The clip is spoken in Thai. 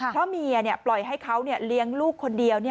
เพราะเมียปล่อยให้เขาเลี้ยงลูกคนเดียว